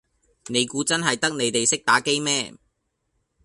你估真係得你地識打機咩